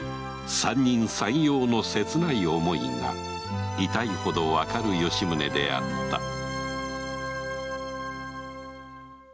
三人三様の切ない想いが痛いほどわかる吉宗であった